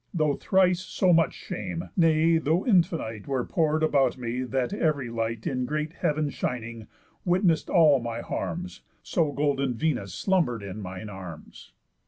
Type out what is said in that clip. Though thrice so much shame; nay, though infinite Were pour'd about me, and that ev'ry light, In great heav'n shining, witness'd all my harms, So golden Venus slumber'd in mine arms."